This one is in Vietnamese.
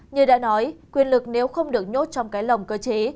như đã nói quyền lực nếu không được nhốt trong cái lồng cơ chế